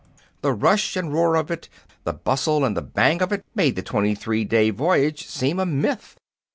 The rush and roar of it, the bustle and the bang of it made the twenty three day voyage seem a myth.